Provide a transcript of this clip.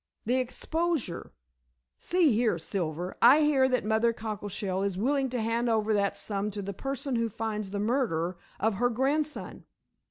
"The exposure. See here, Silver, I hear that Mother Cockleshell is willing to hand over that sum to the person who finds the murderer of her grandson.